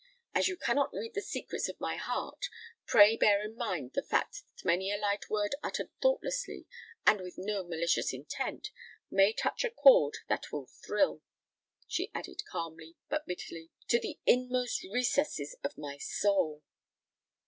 As you cannot read the secrets of my heart, pray bear in mind the fact that many a light word uttered thoughtlessly and with no malicious intent, may touch a chord that will thrill," she added calmly, but bitterly, "to the inmost recesses of my soul."